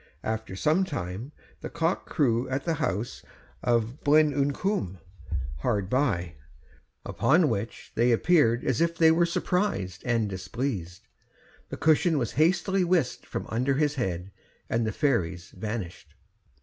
After some time the cock crew at the house of Blaen y Cwm, hard by, upon which they appeared as if they were surprised and displeased; the cushion was hastily whisked from under his head, and the fairies vanished.